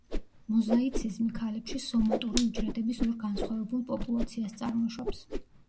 მოზაიციზმი ქალებში სომატური უჯრედების ორ განსხვავებულ პოპულაციას წარმოშობს.